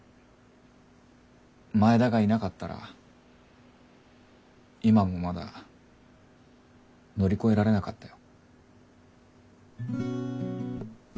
前田がいなかったら今もまだ乗り越えられなかったよ。